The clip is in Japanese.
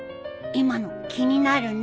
今の気になるね。